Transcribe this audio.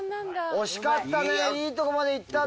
惜しかったねいいとこまでいったんだけども。